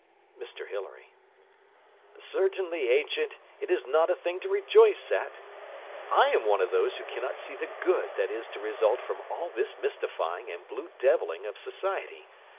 MR HILARY 'Certainly, ancient, it is not a thing to rejoice at:' I am one of those who cannot see the good that is to result from all this mystifying and blue devilling of society.